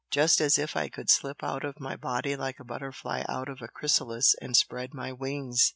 just as if I could slip out of my body like a butterfly out of a chrysalis and spread my wings!"